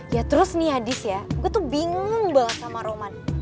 ya terus nih hadis ya gue tuh bingung banget sama roman